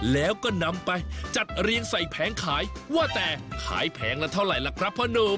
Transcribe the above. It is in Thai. แล้วก็นำไปจัดเรียงใส่แผงขายว่าแต่ขายแผงละเท่าไหร่ล่ะครับพ่อนุ่ม